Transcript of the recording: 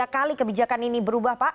tiga kali kebijakan ini berubah pak